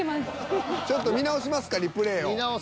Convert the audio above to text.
ちょっと見直しますかリプレイを。